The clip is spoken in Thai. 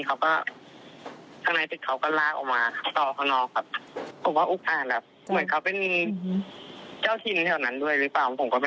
ก็ไม่อยากได้คำขอโทษจากพวกเขา